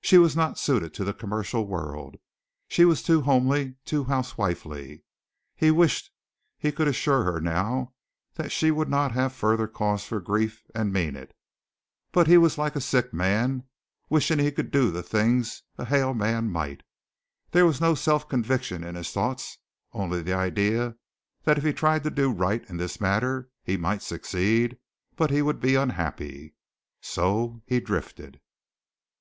She was not suited to the commercial world she was too homey, too housewifely. He wished he could assure her now that she would not have further cause for grief and mean it, but he was like a sick man wishing he could do the things a hale man might. There was no self conviction in his thoughts, only the idea that if he tried to do right in this matter he might succeed, but he would be unhappy. So he drifted.